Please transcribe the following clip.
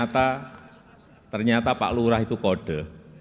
ternyata pak lurah itu kode